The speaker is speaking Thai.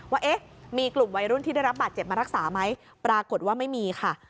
ว่าเอ๊ะมีกลุ่มวัยรุ่นที่ได้รับบาดเจ็บมารักษาไหมปรากฏว่าไม่มีค่ะ